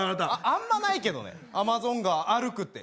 あんまないけどねアマゾン川歩くって。